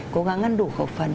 cố gắng ăn đủ khẩu phần